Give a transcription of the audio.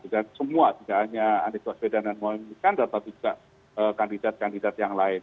dan semua tidak hanya anies baswedan dan mohamad bin iskandar tapi juga kandidat kandidat yang lain